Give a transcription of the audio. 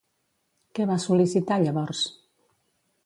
Què va sol·licitar llavors?